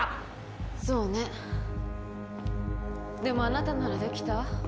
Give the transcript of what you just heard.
そうねでもあなたならできた？